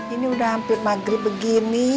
ini udah hampir maghrib begini